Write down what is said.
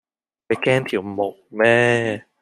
你驚條毛咩